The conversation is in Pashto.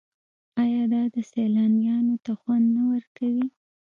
آیا دا سیلانیانو ته خوند نه ورکوي؟